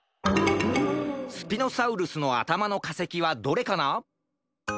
スピノサウルスのあたまのかせきはどれかな？